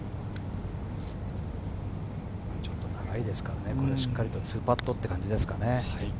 ちょっと長いですからね、しっかり２パットという感じですかね。